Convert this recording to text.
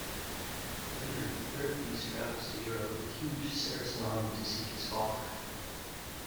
Later, Feirefiz travels to Europe with a huge Saracen army to seek his father.